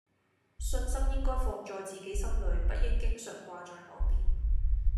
信心應該放在自己心裡，不應經常掛在口邊